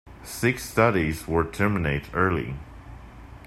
Six studies were terminated early.